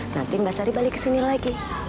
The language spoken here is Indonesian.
nanti mbak sari balik kesini lagi